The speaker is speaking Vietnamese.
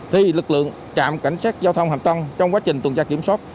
thì lực lượng trạm cảnh sát giao thông hàm tân trong quá trình tuần tra kiểm soát